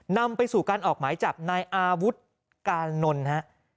นำไปสู่การออกหมายจับนายอาวุธกานนท์ฮะ